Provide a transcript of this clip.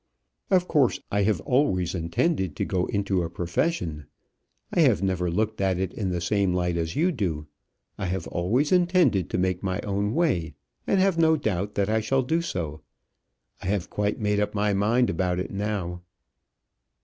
"Of course I have always intended to go into a profession. I have never looked at it in the same light as you do. I have always intended to make my own way, and have no doubt that I shall do so. I have quite made up my mind about it now."